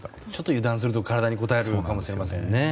油断すると体にこたえるかもしれませんね。